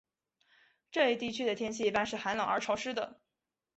这一地区的天气一般是寒冷而潮湿的。